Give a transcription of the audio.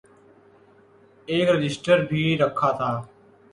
ایک رجسٹر بھی رکھا تھا۔